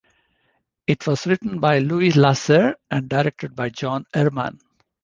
It was written by Louise Lasser and directed by John Erman.